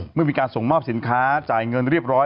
เมื่อมีการส่งมอบสินค้าจ่ายเงินเรียบร้อย